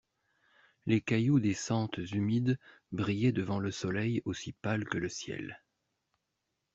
Les cailloux des sentes humides brillaient devant le soleil aussi pâle que le ciel.